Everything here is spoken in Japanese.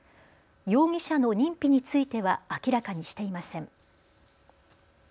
容疑者の認否については明らかにしていません。